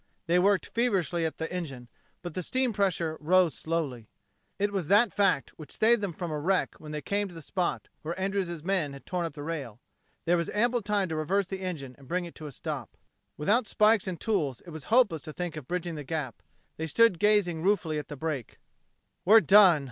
They worked feverishly at the engine, but the steam pressure rose slowly. It was that fact which saved them from a wreck when they came to the spot where Andrews' men had torn up the rail. There was ample time to reverse the engine and bring it to a stop. Without spikes and tools it was hopeless to think of bridging the gap. They stood gazing ruefully at the break. "We're done!"